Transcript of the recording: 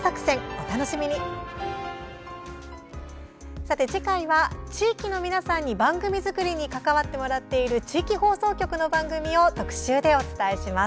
さて、次回は地域の皆さんに番組作りに関わってもらっている地域放送局の番組を特集でお伝えします。